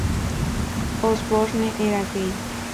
Osborne era gay.